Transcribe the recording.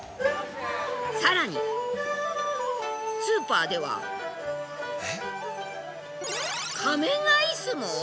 更にスーパーでは仮面アイスも！